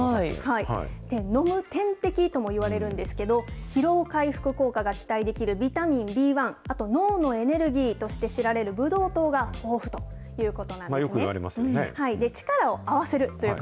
飲む点滴ともいわれるんですけど、疲労回復効果が期待できるビタミンＢ１、あと脳のエネルギーとして知られるブドウ糖が豊富ということなんよく言われますよね。